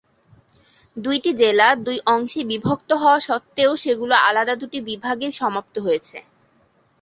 দুইটি জেলা দুই অংশে বিভক্ত হওয়া সত্ত্বেও সেগুলো আলাদা দুটি বিভাগে সমাপ্ত হয়েছে।